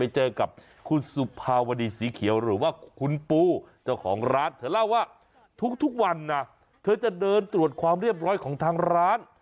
เจอกับคุณสุภาวดีสีเขียวหรือว่าคุณปูเจ้าของร้านเธอเล่าว่าทุกวันนะเธอจะเดินตรวจความเรียบร้อยของทางร้าน